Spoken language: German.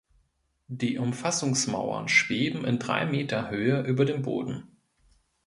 Die Umfassungsmauern „schweben“ in drei Meter Höhe über dem Boden.